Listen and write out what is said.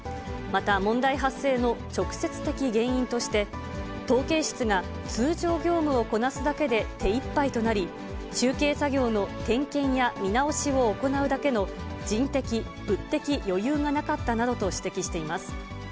また問題発生の直接的原因として、統計室が通常業務をこなすだけで手いっぱいとなり、集計作業の点検や見直しを行うだけの人的・物的余裕がなかったなどと指摘しています。